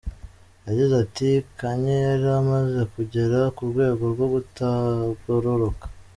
Yagize ati “Kanye yari amaze kugera ku rwego rwo kutagororoka.